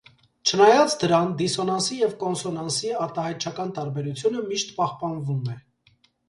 Չնայած դրան, դիսոնանսի և կոնսոնանսի արտահայտչական տարբերությունը միշտ պահպանվում է։